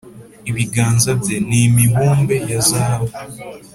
Ibiganza bye ni imibumbe ya zahabu,